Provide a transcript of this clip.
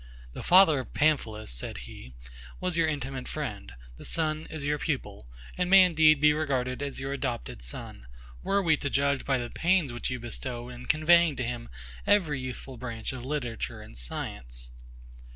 The father of PAMPHILUS, said he, was your intimate friend: The son is your pupil; and may indeed be regarded as your adopted son, were we to judge by the pains which you bestow in conveying to him every useful branch of literature and science.